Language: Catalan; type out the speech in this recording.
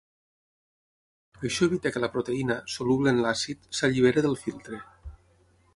Això evita que la proteïna, soluble en l'àcid, s'alliberi del filtre.